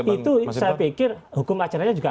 itu saya pikir hukum acaranya juga